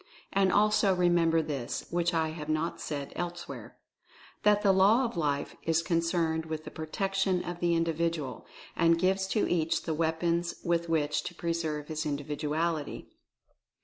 And also remember this, which I have not said elsewhere, that the Law of Life is con cerned with the Protection of the Individual, and gives to each the weapons with which to preserve his Individuality.